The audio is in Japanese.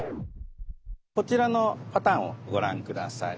こちらのパターンをご覧下さい。